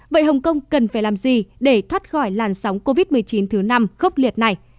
vậy hồng kông cần phải làm gì để thoát khỏi làn sóng covid một mươi chín thứ năm khốc liệt này